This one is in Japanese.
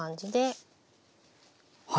はい。